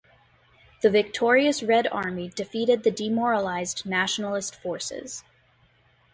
The victorious Red Army defeated the demoralized Nationalist Forces.